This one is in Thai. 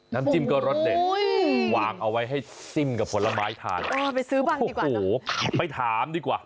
น้ำจิ้มก็รสเด็ดวางเอาไว้ให้ซิ่มกับผลไม้ทานโอ้โฮไปถามดีกว่า